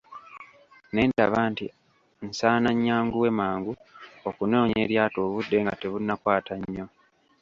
Ne ndaba nti nsaana nnyanguwe mangu okunoonya eryato obudde nga tebunnakwata nnyo.